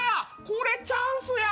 これチャンスや。